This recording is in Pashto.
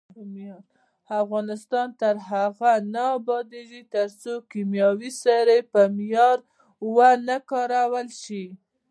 افغانستان تر هغو نه ابادیږي، ترڅو کیمیاوي سرې په معیار ونه کارول شي.